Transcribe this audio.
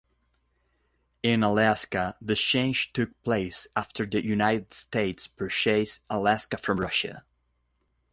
In Alaska, the change took place after the United States purchased Alaska from Russia.